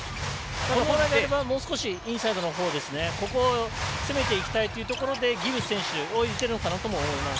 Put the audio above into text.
本来であればもう少しインサイドのほうを攻めていきたいということでギブス選手を入れてるのかと思います。